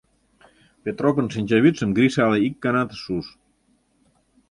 Петропын шинчавӱдшым Гриша але ик ганат ыш уж.